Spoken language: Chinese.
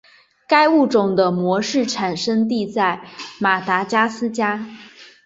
该物种的模式产地在马达加斯加。